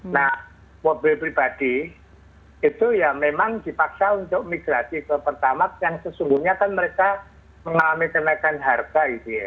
nah mobil pribadi itu ya memang dipaksa untuk migrasi ke pertamak yang sesungguhnya kan mereka mengalami kenaikan harga gitu ya